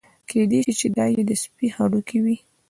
کېدای شي دا یې د سپي هډوکي وي.